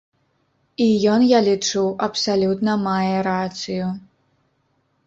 І ён, я лічу, абсалютна мае рацыю.